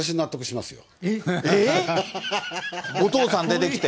お父さん出てきて？